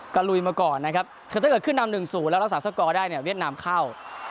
ก็ลุยมาก่อนนะครับคือถ้าเกิดขึ้นนำ๑๐แล้วรักษาสกอร์ได้เนี่ยเวียดนามเข้า